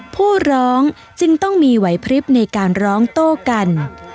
ผู้ร้องจึงต้องมีไหวพลิบในการร้องโต้กัน